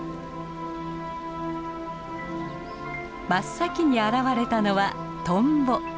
真っ先に現れたのはトンボ。